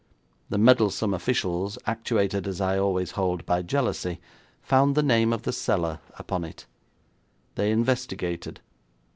The meddlesome officials, actuated, as I always hold, by jealousy, found the name of the seller upon it. They investigated.